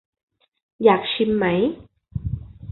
อยากชิมไหม